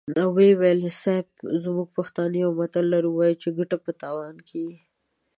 ويې ويل: صيب! موږ پښتانه يو متل لرو، وايو چې ګټه په تاوان کېږي.